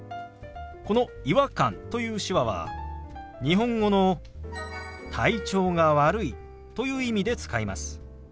この「違和感」という手話は日本語の「体調が悪い」という意味で使います。